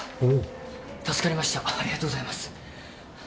助かりましたありがとうございます。